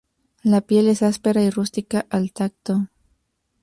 La piel es áspera y rústica al tacto.